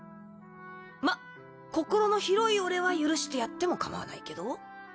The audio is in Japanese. まっ心の広い俺は許してやってもかまわないけど。